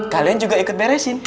kalian juga ikut beresin